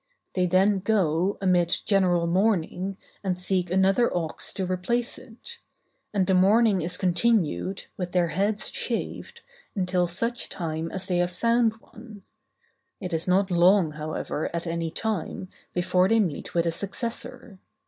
They then go, amid general mourning, and seek another ox to replace it; and the mourning is continued, with their heads shaved, until such time as they have found one; it is not long, however, at any time, before they meet with a successor.